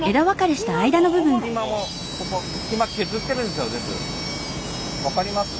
分かります？